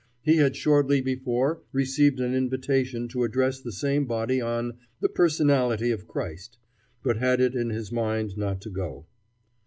He had shortly before received an invitation to address the same body on "The Personality of Christ," but had it in his mind not to go.